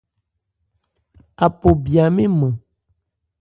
Apo bya mɛ́n nman.